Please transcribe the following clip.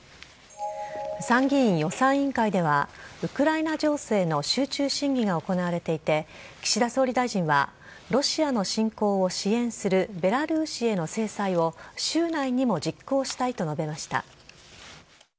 参議院予算委員会では、ウクライナ情勢の集中審議が行われていて、岸田総理大臣は、ロシアの侵攻を支援するベラルーシへの制裁を、週内にも実行したいと述べました。